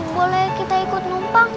boleh kita ikut numpang